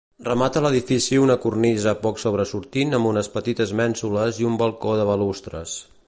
Remata l'edifici una cornisa poc sobresortint amb unes petites mènsules i un balcó de balustres.